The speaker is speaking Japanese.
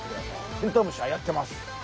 テントウムシはやってます。